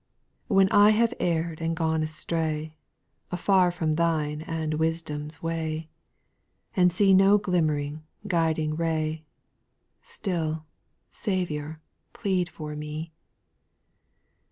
3. When I have err'd and gone astray, Afar from Thine and wisdom's way, And see no glimm'ring, guiding ray, Still, Saviour, plead for me.